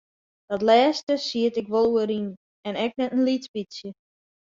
Dat lêste siet ik wol oer yn en ek net in lyts bytsje.